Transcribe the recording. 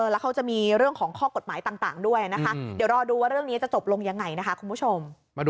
แล้วเขาจะมีเรื่องของข้อกฎหมายต่างด้วยนะคะเดี๋ยวรอดูว่าเรื่องนี้จะจบลงยังไงนะคะคุณผู้ชม